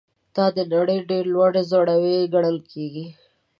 دا د نړۍ ډېر لوړ ځړوی ګڼل کیږي.